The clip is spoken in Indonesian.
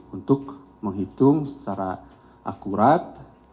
untuk menghitung secara akurat